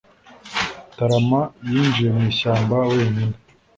Tarama yinjiye mu ishyamba wenyine